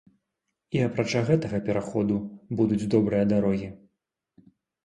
І, апрача гэтага пераходу, будуць добрыя дарогі.